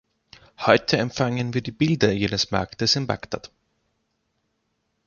Heute empfangen wir die Bilder jenes Marktes in Bagdad.